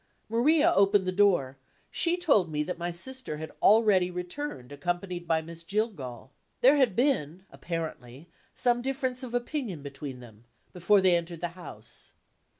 Maria opened the door; she told me that my sister had already returned, accompanied by Miss Jillgall. There had been apparently some difference of opinion between them, before they entered the house.